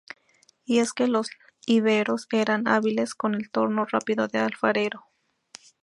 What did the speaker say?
Y es que los iberos eran hábiles con el torno rápido de alfarero.